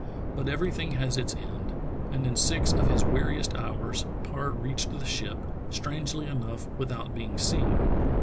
But everything has its end, and in six of his weariest hours Parr reached the ship, strangely enough without being seen.